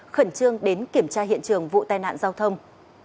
khẩn trương đến kiểm tra hiện trường vụ tai nạn giao thông